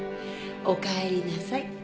おかえりなさい。